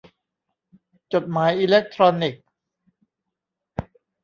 จดหมายอิเล็กทรอนิกส์